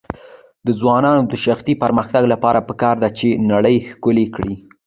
د ځوانانو د شخصي پرمختګ لپاره پکار ده چې نړۍ ښکلی کړي.